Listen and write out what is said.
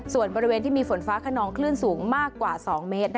ส่วนบริเวณที่มีฝนฟ้าขนองคลื่นสูงมากกว่า๒เมตร